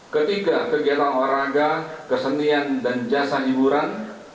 ketiga kegiatan olahraga kesenian dan jasa hiburan